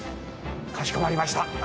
かしこまりました。